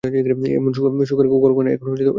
এমন সুখের ঘরকন্না–এমন সোহাগের স্বামী।